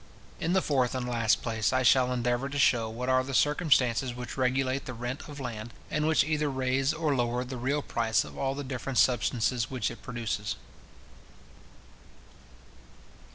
In the fourth and last place, I shall endeavour to shew what are the circumstances which regulate the rent of land, and which either raise or lower the real price of all the different substances which it produces.